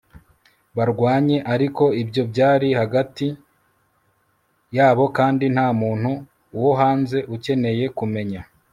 barwanye. ariko ibyo byari hagati yabo kandi nta muntu wo hanze ukeneye kumenya